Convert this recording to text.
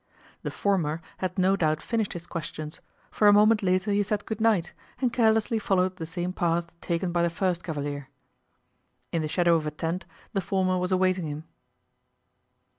The former had no doubt finished his questions, for a moment later he said good night and carelessly followed the same path taken by the first cavalier. In the shadow of a tent the former was awaiting him.